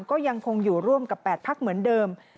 ก็ยังคงอยู่ร่วมกับ๘พักเหมือนเดิม